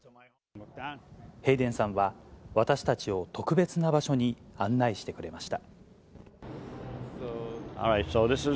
ヘイデンさんは、私たちを特別な場所に案内してくれました。